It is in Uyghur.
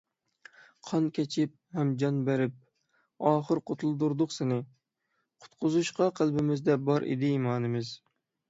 ﻗﺎﻥ كەچىپ ﮪﻪﻡ ﺟﺎﻥ بەرﯨﭗ، ﺋﺎﺧﯩﺮ ﻗﯘرﺗﯘﻟﺪﯗﺭﺩﯗﻕ سەنى، ﻗﯘرﺗﻘﯘﺯﯗﺷﻘﺎ ﻗﻪﻟﺒﯩﻤﯩﺰﺩﻩ ﺑﺎﺭ ﺋﯩﺪﻯ ﺋﯩﻤﺎﻧﯩﻤﯩﺰ.